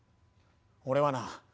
俺はな